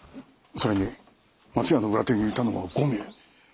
それに松屋の裏手にいたのは５名。